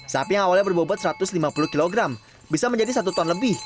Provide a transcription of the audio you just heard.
sapi yang awalnya berbobot satu ratus lima puluh kg bisa menjadi satu ton lebih